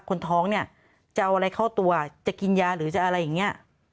คนท้องเนี่ยจะเอาอะไรเข้าตัวจะกินยาหรือจะอะไรอย่างนี้